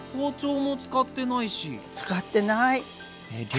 使ってない。